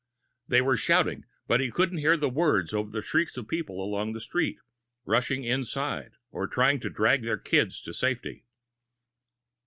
They were shouting, but he couldn't hear the words over the shrieks of the people along the street, rushing inside or trying to drag their kids to safety.